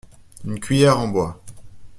Une cuillère en bois.